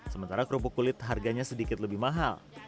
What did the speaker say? sementara kerupuk kulit harganya sedikit lebih mahal